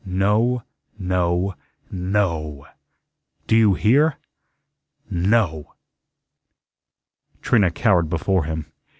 "No, no, NO. Do you hear? NO." Trina cowered before him.